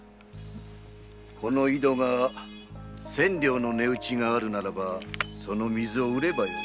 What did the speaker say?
この井戸が千両の値打ちがあるならばその水を売ればよい。